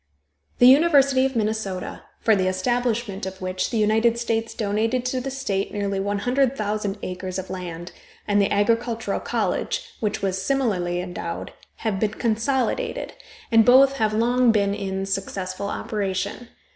The University of Minnesota, for the establishment of which the United States donated to the state nearly 100,000 acres of land, and the agricultural college, which was similarly endowed, have been consolidated, and both have long been in successful operation.